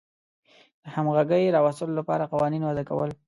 د همغږۍ راوستلو لپاره قوانین وضع کول.